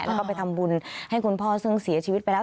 แล้วก็ไปทำบุญให้คุณพ่อซึ่งเสียชีวิตไปแล้ว